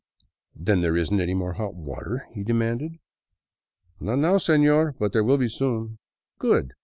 "Then there isn't any more hot water?" he demanded. " Not now, seiior, but there will be soon." "Good.